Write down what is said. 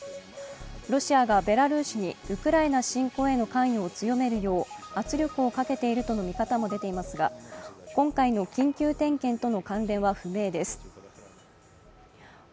ロシアがベラルーシにウクライナ侵攻への関与を強めるよう圧力をかけているとの見方も出ていますが、今回の緊急点検との関連は不明です。